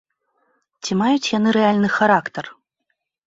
Ці маюць яны рэальны характар?